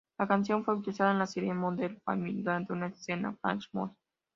La canción fue utilizada en la serie "Modern Family" durante una escena flash mob.